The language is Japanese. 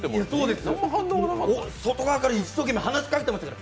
外側から一生懸命話しかけてましたから。